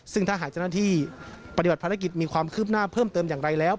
ซึ่งถ้าหากเจ้าหน้าที่ปฏิบัติภารกิจมีความคืบหน้าเพิ่มเติมอย่างไรแล้ว